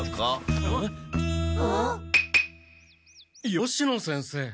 吉野先生。